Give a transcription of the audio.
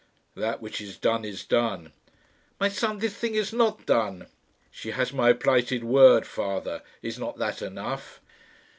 "That which is done is done." "My son, this thing is not done." "She has my plighted word, father. Is not that enough?"